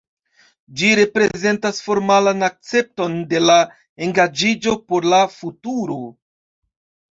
Ĝi reprezentas formalan akcepton de la engaĝiĝo por la futuro.